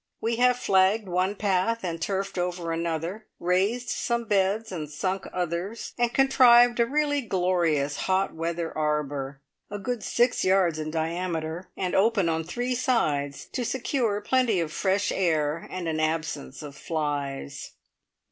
We have flagged one path, and turfed over another, raised some beds, and sunk others, and contrived a really glorious hot weather arbour, a good six yards in diameter, and open on three sides, to secure plenty of fresh air and an absence of flies.